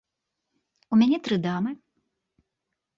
У мяне тры дамы.